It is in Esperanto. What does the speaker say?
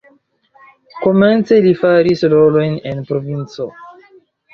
Komence li faris rolojn en provinco.